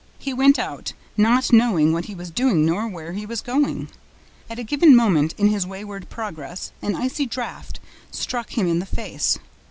He went out, not knowing what he was doing nor where he was going. At a given moment in his wayward progress, an icy draft struck him in the face.